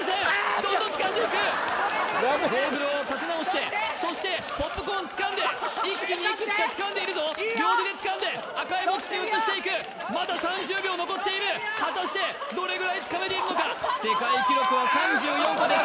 どんどんつかんでいくやべえゴーグルをかけ直してそしてポップコーンつかんで一気にいくつかつかんでいるぞ両手でつかんで赤いボックスに移していくまだ３０秒残っている果たしてどれぐらいつかめているのか世界記録は３４個です